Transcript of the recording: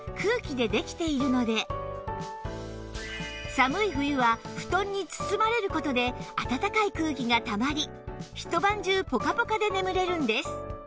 寒い冬は布団に包まれる事であたたかい空気がたまりひと晩中ポカポカで眠れるんです